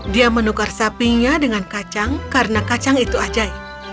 dia menukar sapinya dengan kacang karena kacang itu ajaib